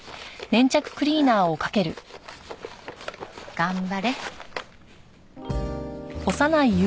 頑張れ。